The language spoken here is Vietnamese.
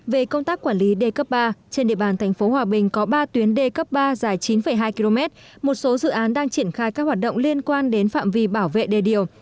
về công tác quản lý d cấp ba trên địa bàn tp hòa bình có ba tuyến d cấp ba dài chín hai km một số dự án đang triển khai các hoạt động liên quan đến phạm vi bảo vệ đề điều